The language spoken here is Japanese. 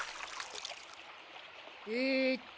えーっと。